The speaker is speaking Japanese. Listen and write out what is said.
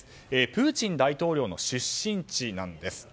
プーチン大統領の出身地です。